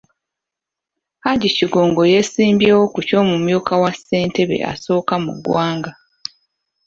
Hajji Kigongo yeesimbyewo ku ky’omumyuka wa Ssentebe asooka mu ggwanga.